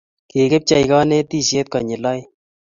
Kikipchei kanetishet konyil oeng'eng